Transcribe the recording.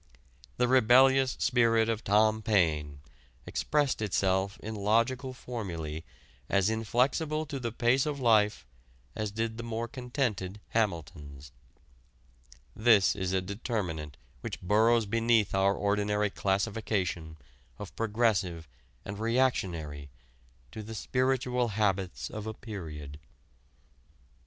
The rebellious spirit of Tom Paine expressed itself in logical formulæ as inflexible to the pace of life as did the more contented Hamilton's. This is a determinant which burrows beneath our ordinary classification of progressive and reactionary to the spiritual habits of a period.